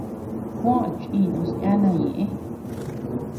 Juó chinus yana ñeʼe.